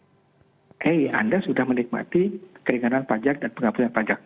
oke anda sudah menikmati keringanan pajak dan penghapusan pajak